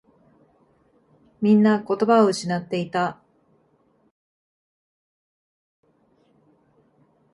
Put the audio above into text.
みんな言葉を失っていた。